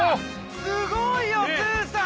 すごいよスーさん！